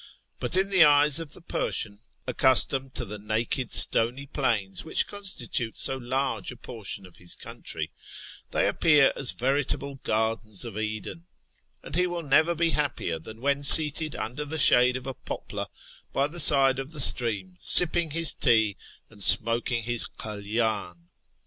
But in the eyes of the Persian, accustomed to the naked stony plains which con stitute so large a portion of his country, they appear as veritable gardens of Eden, and he will never be happier than when seated under the shade of a poplar by the side of the stream, sipping his tea and smoking his kalydii.